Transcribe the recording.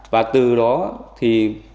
và từ đó thì